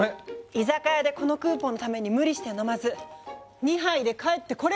居酒屋でこのクーポンのために無理して飲まず２杯で帰ってこれるのか。